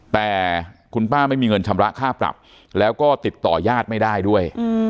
แต่คุณป้าไม่มีเงินชำระค่าปรับแล้วก็ติดต่อยาดไม่ได้ด้วย